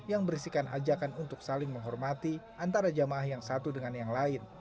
yang berisikan ajakan untuk saling menghormati antara jamaah yang satu dengan yang lain